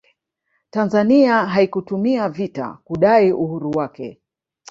tanzania haikutumia vita kudai uhuru wake